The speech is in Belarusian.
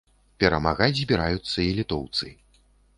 Перамагаць збіраюцца і літоўцы.